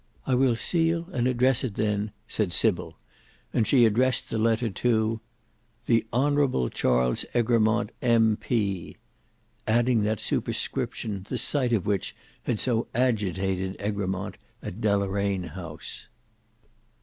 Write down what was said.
"I will seal and address it then," said Sybil, and she addressed the letter to "THE HON. CHARLES EGREMONT M.P." adding that superscription the sight of which had so agitated Egremont at Deloraine House.